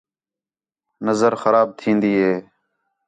نظر خراب تھین٘دی ہے